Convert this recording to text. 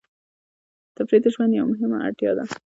تفریح د ژوند یوه مهمه اړتیا ده.